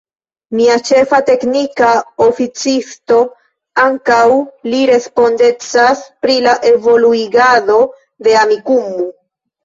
Mia Ĉefa Teknika Oficisto ankaŭ li respondecas pri la evoluigado de Amikumu